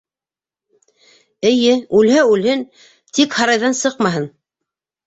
Эйе, үлһә үлһен, тик һарайҙан сыҡмаһын!